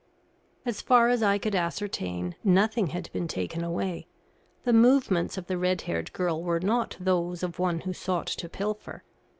As far as I could ascertain, nothing had been taken away. The movements of the red haired girl were not those of one who sought to pilfer.